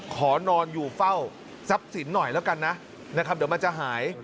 ขอนอนอยู่เฝ้าทรัพย์สินหน่อยแล้วกันนะนะครับเดี๋ยวมันจะหาย